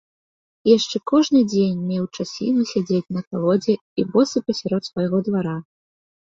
І яшчэ кожны дзень меў часіну сядзець на калодзе і босы пасярод свайго двара.